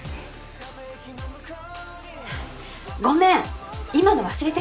ごめん今の忘れて。